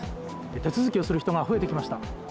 手続きをする人が増えてきました。